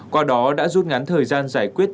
qua đó đã rút ngắn thời gian giải quyết